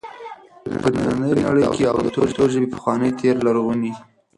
په ننی نړۍ کي او د پښتو ژبي په پخواني تیر لرغوني